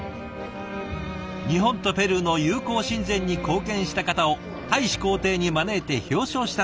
日本とペルーの友好親善に貢献した方を大使公邸に招いて表彰したんですって。